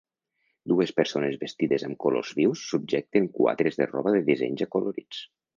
Dues persones vestides amb colors vius subjecten quadres de roba de dissenys acolorits.